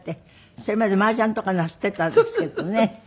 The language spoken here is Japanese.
それまでマージャンとかなすってたんですけどね。